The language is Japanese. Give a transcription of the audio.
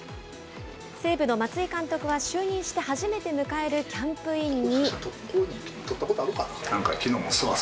西武の松井監督は、就任して初めて迎えるキャンプインに。